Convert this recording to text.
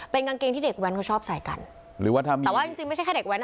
เป็นกางเกงที่เด็กแว้นเขาชอบใส่กันหรือว่าทำแต่ว่าจริงจริงไม่ใช่แค่เด็กแว้น